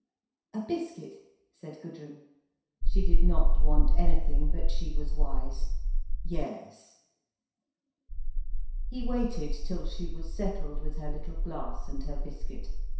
"A biscuit," said Gudrun. She did not want anything, but she was wise. "Yes." He waited till she was settled with her little glass and her biscuit.